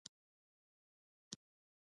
له څه شي ځان وساتم؟